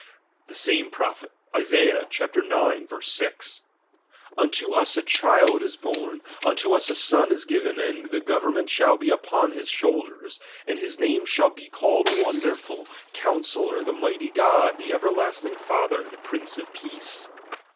The same prophet {Isaiah ix. 6) : Unto us a child is born, unto us a son is given, and 4he government shall he upon his shoulders ; and Ms name shall be called wonderful; counsellor, the eighty God, the everlasting Father, the Prince of Peace.